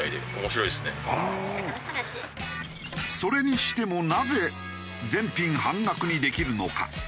それにしてもなぜ全品半額にできるのか？